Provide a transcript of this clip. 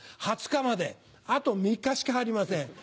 ２０日まであと３日しかありません。